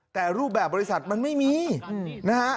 แต่รูปแบบบริษัทมันไม่มีนะฮะ